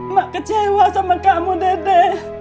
mak kecewa sama kamu dede